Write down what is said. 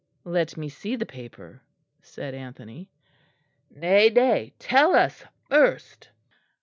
"Let me see the paper," said Anthony. "Nay, nay, tell us first."